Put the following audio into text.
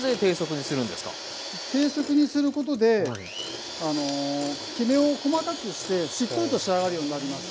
低速にすることできめを細かくしてしっとりと仕上がるようになります。